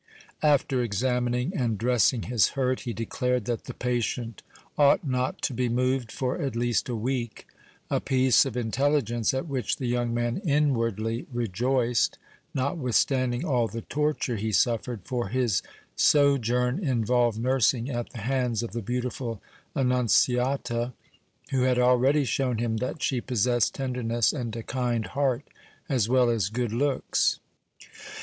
After examining and dressing his hurt, he declared that the patient ought not to be moved for at least a week, a piece of intelligence at which the young man inwardly rejoiced, notwithstanding all the torture he suffered, for his sojourn involved nursing at the hands of the beautiful Annunziata, who had already shown him that she possessed tenderness and a kind heart, as well as good looks.